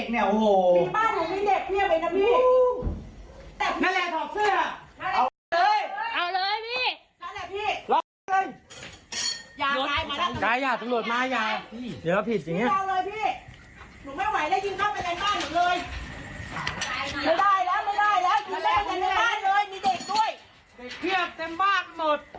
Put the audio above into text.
แล้วไม่ได้แล้วกินไม่ได้เลยมีเด็กด้วยเพียงเต็มบ้าหมด